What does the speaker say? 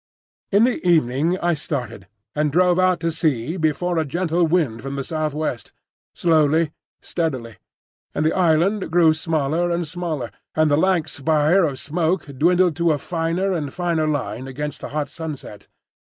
In the evening I started, and drove out to sea before a gentle wind from the southwest, slowly, steadily; and the island grew smaller and smaller, and the lank spire of smoke dwindled to a finer and finer line against the hot sunset.